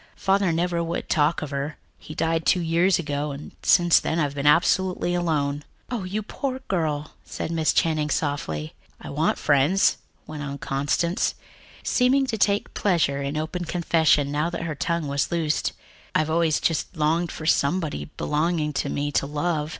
Father never would talk of her. He died two years ago, and since then I've been absolutely alone." "Oh, you poor girl," said Miss Channing softly. "I want friends," went on Constance, seeming to take a pleasure in open confession now that her tongue was loosed. "I've always just longed for somebody belonging to me to love.